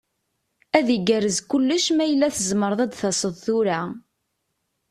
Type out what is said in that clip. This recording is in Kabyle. Ad igerrez kullec ma yella tzemreḍ ad d-taseḍ tura.